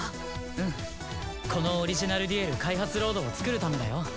うんこのオリジナルデュエル開発ロードを作るためだよ。